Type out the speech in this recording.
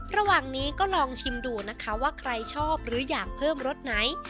ระหว่างนี้ก็ลองชิมดูนะคะว่าใครชอบหรืออยากเพิ่มรสไหน